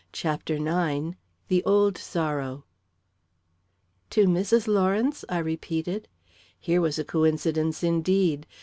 CHAPTER IX The Old Sorrow "To Mrs. Lawrence?" I repeated. Here was a coincidence, indeed!